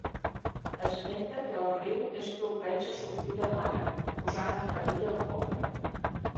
Esmenta que el riu és propens a sortir de mare, posant en perill el poble.